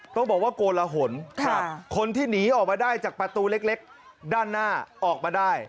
ต้องบอกว่าโกลหนคนที่หนีออกมาได้จากประตูเล็กด้านหน้าออกมาได้